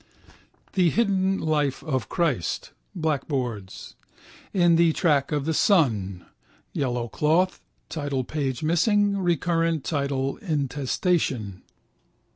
The Hidden Life of Christ (black boards). In the Track of the Sun (yellow cloth, titlepage missing, recurrent title intestation).